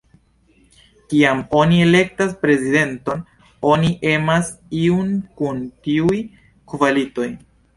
Kiam oni elektas prezidenton, oni emas iun kun tiuj kvalitoj.